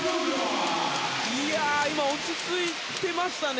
今、落ち着いてましたね。